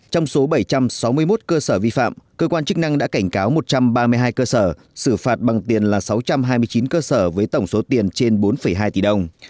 trong số bảy trăm sáu mươi một cơ sở vi phạm cơ quan chức năng đã cảnh cáo một trăm ba mươi hai cơ sở xử phạt bằng tiền là sáu trăm hai mươi chín cơ sở với tổng số tiền trên bốn hai tỷ đồng